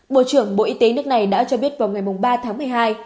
bộ trưởng bộ y tế nước này đã cho biết vào ngày ba tháng một mươi hai